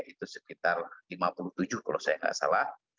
itu sekitar lima puluh tujuh kalau saya nggak salah